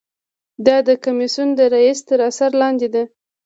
دا د کمیسیون د رییس تر اثر لاندې ده.